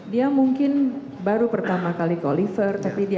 dia mungkin baru pertama kali ke oliver tapi dia